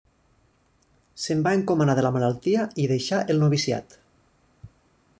Se'n va encomanar de la malaltia i deixà el noviciat.